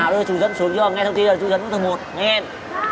nào đưa chủ dẫn xuống cho nghe thông tin rồi chủ dẫn của thằng một nghe em